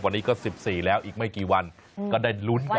วันนี้ก็๑๔แล้วอีกไม่กี่วันก็ได้ลุ้นกัน